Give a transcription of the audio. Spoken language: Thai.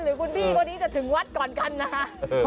หรือคุณพี่คนนี้จะถึงวัดก่อนกันนะ